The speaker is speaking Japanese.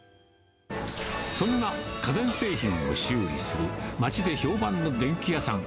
そんな家電製品を修理する、町で評判の電気屋さん。